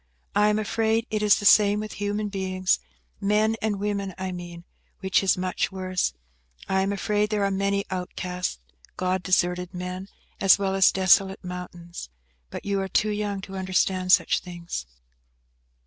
I am afraid it is the same with human beings–men and women, I mean–which is much worse. I am afraid there are many outcast, God deserted men, as well as desolate mountains. But you are too young to understand such things."